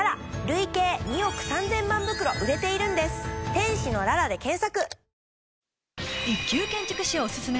「天使のララ」で検索！